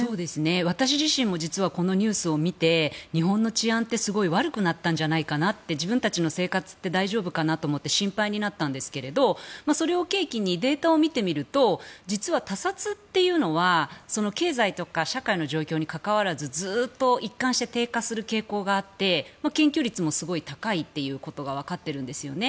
私自身も実は、このニュースを見て日本の治安ってすごい悪くなったんじゃないかなって自分たちの生活って大丈夫かなと思って心配になったんですがそれを契機にデータを見てみると実は他殺というのは経済とか社会の状況に関わらずずっと一貫して低下する傾向があって検挙率も高いことがわかっているんですよね。